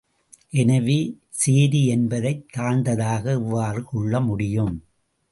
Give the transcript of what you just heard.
எனவே, சேரி என்பதைத் தாழ்ந்ததாக எவ்வாறு கொள்ள முடியும்?